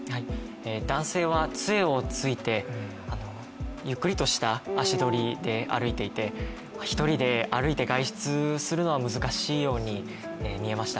男性は、つえをついてゆっくりとした足取りで歩いていて一人で歩いて外出するのは難しいように見えました。